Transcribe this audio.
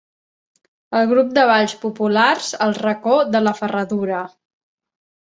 El grup de balls populars El racó de la Ferradura.